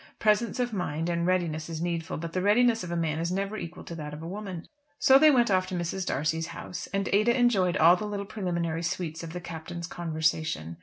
Presence of mind and readiness is needful, but the readiness of a man is never equal to that of a woman. So they went off to Mrs. D'Arcy's house, and Ada enjoyed all the little preliminary sweets of the Captain's conversation.